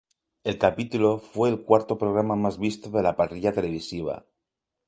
El capítulo fue el cuarto programa más visto de la parrilla televisiva.